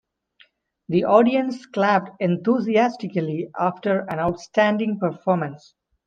The audience clapped enthusiastically after an outstanding performance.